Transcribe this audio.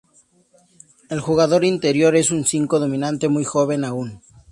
El jugador interior es un cinco dominante muy joven aún.